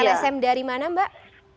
lsm dari mana mbak